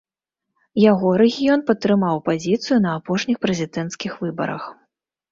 Яго рэгіён падтрымаў апазіцыю на апошніх прэзідэнцкіх выбарах.